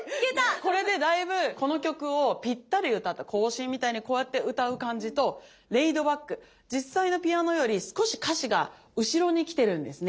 これでだいぶこの曲をぴったり歌った行進みたいにこうやって歌う感じとレイドバック実際のピアノより少し歌詞が後ろに来てるんですね。